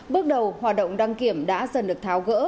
bước đầu hoạt động đăng kiểm đã dần được tháo gỡ